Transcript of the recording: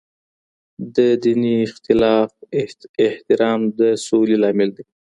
د دیني اختلاف احترام د سولي لامل دی.